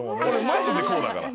マジでこうだから。